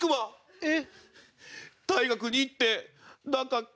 えっ？